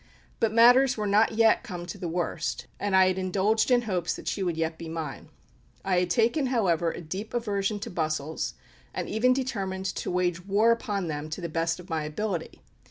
But matters were not yet come to the worst, and I had indulged in hopes that she would yet be mine. I had however taken a deep aversion to bustles, and even determined to wage war upon them to the best of my ability.